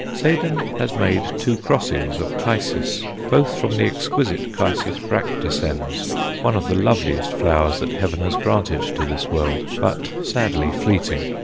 Seden has made two crosses of Chysis, both from the exquisite Ch. bractescens, one of the loveliest flowers that heaven has granted to this world, but sadly fleeting.